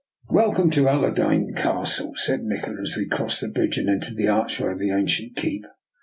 " Welcome to Allerdeyne Castle !" said Nikola, as we crossed the bridge and entered the archway of the ancient keep.